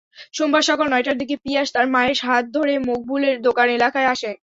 সোমবার সকাল নয়টার দিকে পিয়াস তার মায়ের হাত ধরে মোকবুলের দোকান এলাকায় আসে।